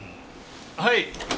はい。